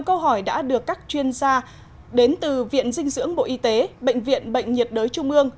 câu hỏi đã được các chuyên gia đến từ viện dinh dưỡng bộ y tế bệnh viện bệnh nhiệt đới trung ương